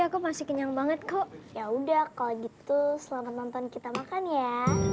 aku masih kenyang banget kok yaudah kalau gitu selamat nonton kita makan ya